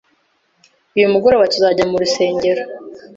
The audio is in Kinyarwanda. Uyu mugoroba tuzajya mu rusengero.